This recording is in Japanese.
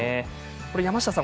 山下さん